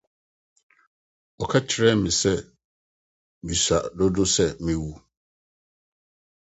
Wɔka kyerɛɛ me sɛ misua dodo sɛ mewu.